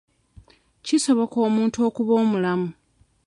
Kisoboka omuntu okuba omulamu.